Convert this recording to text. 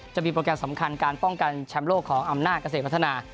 จะมีโปรแกรมสำคัญการป้องกันแชมป์โลกของอำนาจเกษตรพัฒนา